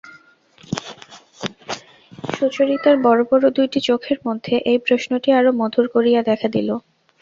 সুচরিতার বড়ো বড়ো দুইটি চোখের মধ্যে এই প্রশ্নটি আরো মধুর করিয়া দেখা দিল।